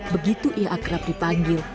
begitu ia akrab dipanggil